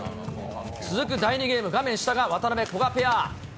続く第２ゲーム、画面下が渡辺・古賀ペア。